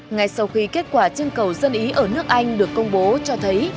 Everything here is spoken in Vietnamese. ngay sau khi kết quả trưng cầu dân ý ở nước anh được công bố cho thấy